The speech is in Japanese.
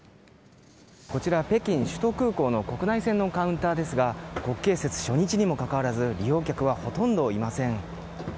こちら北京首都空港の国内線のカウンターですが国慶節初日にもかかわらず利用客はほとんどいません。